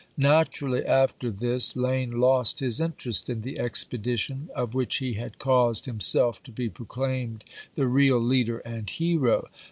Naturally after p. 551. this Lane lost his interest in the expedition, of which he had caused himself to be proclaimed the real leader and hero.